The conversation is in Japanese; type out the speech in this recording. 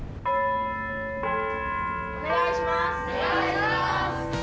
お願いします。